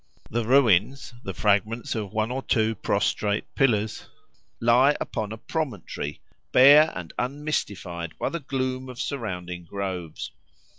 The ruins (the fragments of one or two prostrate pillars) lie upon a promontory, bare and unmystified by the gloom of surrounding groves.